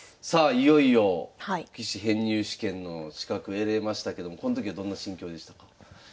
いよいよ棋士編入試験の資格得れましたけどもこの時はどんな心境でしたか？